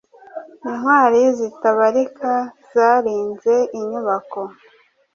Intwali zitabarika zarinze inyubako